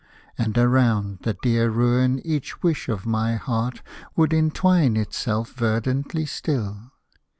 And around the dear ruin each wish of my heart Would entwine itself verdantly still.